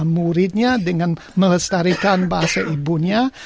muridnya dengan melestarikan bahasa ibunya